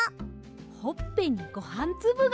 ほっぺにごはんつぶが！